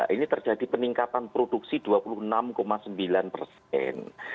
ini terjadi peningkatan produksi dua puluh enam sembilan persen